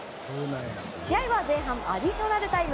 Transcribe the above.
試合は前半アディショナルタイム。